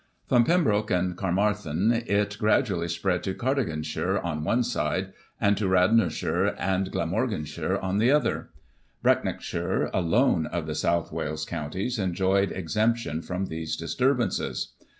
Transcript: From Pembroke and Caermarthen, it gradually spread to Cardiganshire, on one side, and to Radnorshire and Glam organshire, on the other. Brecknockshire, alone of the South Digiti ized by Google 1 843 1 REBECCA. 203 Wales counties, enjoyed exemption from these disturbances.